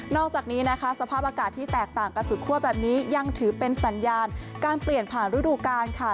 อกจากนี้นะคะสภาพอากาศที่แตกต่างกันสุดคั่วแบบนี้ยังถือเป็นสัญญาณการเปลี่ยนผ่านฤดูกาลค่ะ